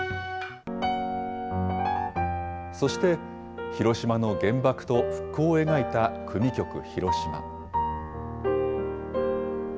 そして、広島の原爆と復興を描いた組曲ヒロシマ。